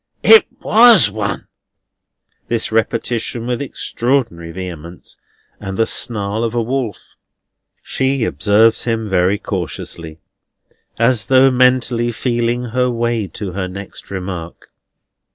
It WAS one!" This repetition with extraordinary vehemence, and the snarl of a wolf. She observes him very cautiously, as though mentally feeling her way to her next remark.